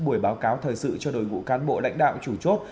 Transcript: buổi báo cáo thời sự cho đội ngũ cán bộ lãnh đạo chủ chốt